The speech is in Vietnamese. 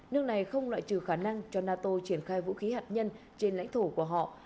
nước này không loại trừ khả năng cho nato triển khai vũ khí hạt nhân trên lãnh thổ của họ